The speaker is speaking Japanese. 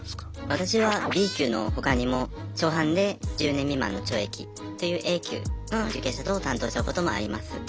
私はＢ級の他にも初犯で１０年未満の懲役というＡ級の受刑者等を担当したこともあります。